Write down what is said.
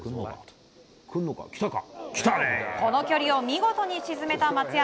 この距離を見事に沈めた松山。